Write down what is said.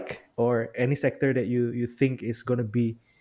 sebuah sektor yang anda pikir akan menjadi